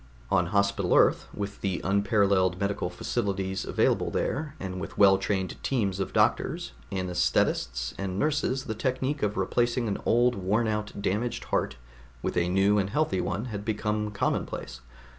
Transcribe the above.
On Hospital Earth, with the unparalleled medical facilities available there, and with well trained teams of doctors, anaesthetists and nurses the technique of replacing an old worn out damaged heart with a new and healthy one had become commonplace.